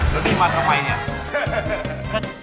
แล้วนี่มาทำไมเนี่ย